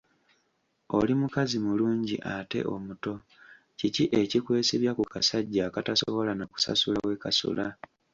Oli mukazi mulungi ate omuto, kiki ekikwesibya ku kasajja akatasobola na kusasula we kasula?